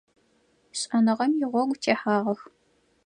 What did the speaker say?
Шӏэныгъэм игъогу техьагъэх.